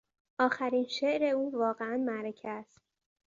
آخرین شعر او واقعا معرکه است.